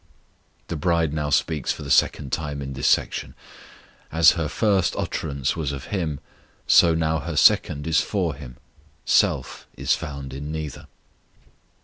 The bride now speaks for the second time in this section. As her first utterance was of Him, so now her second is for Him; self is found in neither.